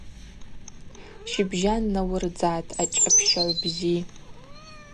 Щыбжьан науырдзатӏ, ачӏапщагӏв бзи.